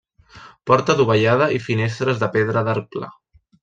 Porta dovellada i finestres de pedra d'arc pla.